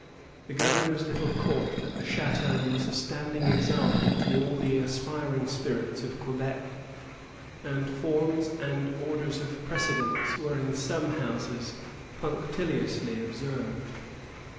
The governor's little court at the chateau was a standing example to all the aspir ing spirits of Quebec, and forms and orders of pre cedence vfeie in some houses punctiliously observed.